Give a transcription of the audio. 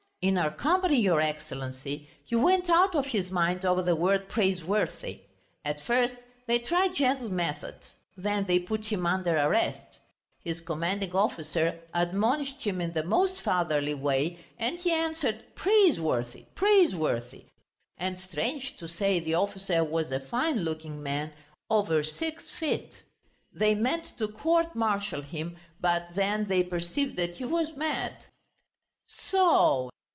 "In our company, your Excellency, he went out of his mind over the word praiseworthy. At first they tried gentle methods, then they put him under arrest.... His commanding officer admonished him in the most fatherly way, and he answered, 'praiseworthy, praiseworthy!' And strange to say, the officer was a fine looking man, over six feet. They meant to court martial him, but then they perceived that he was mad." "So